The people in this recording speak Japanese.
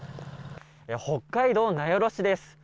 北海道名寄市です。